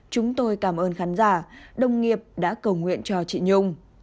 chúng tôi cảm ơn khán giả đồng nghiệp đã cầu nguyện cho chị nhung